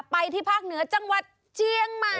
ไปที่ภาคเหนือจังหวัดเจียงใหม่